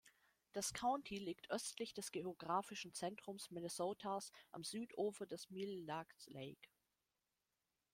Das County liegt östlich des geografischen Zentrums Minnesotas am Südufer des Mille Lacs Lake.